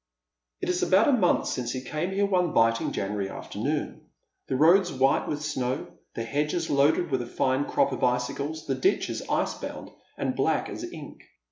It is about a month since he came here one biting Januaiy afternoon — the roads white with snow, the hedges loaded with a fine crop of icicles, the ditches ice bound, and black as ink.